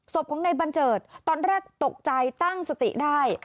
ศพของนายบัญเจิดตอนแรกตกใจตั้งสติได้